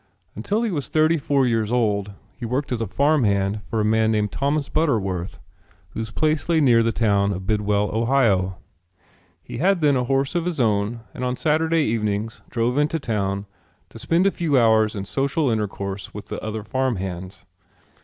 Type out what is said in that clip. Until he was thirty four years old he worked as a farm hand for a man named Thomas Butterworth whose place lay near the town of Bidwell, Ohio. He had then a horse of his own and on Saturday evenings drove into town to spend a few hours in social intercourse with other farm hands.